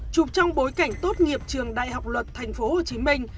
chụp trong bối cảnh tốt nghiệp trường đại học luật tp hcm